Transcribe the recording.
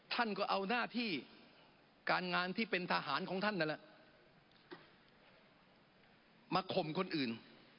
ท่านก็เอาหน้าที่การงานที่เป็นทหารของท่านนั่นแหละมาข่มคนอื่น